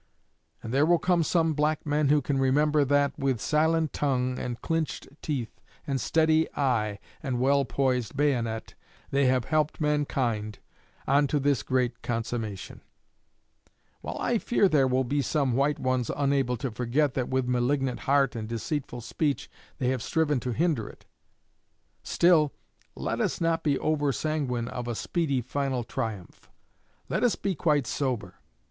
And there will be some black men who can remember that, with silent tongue, and clinched teeth, and steady eye, and well poised bayonet, they have helped mankind on to this great consummation; while I fear there will be some white ones unable to forget that with malignant heart and deceitful speech they have striven to hinder it. Still, let us not be over sanguine of a speedy final triumph. Let us be quite sober.